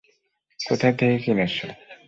কোথায় থেকে কিনেছ?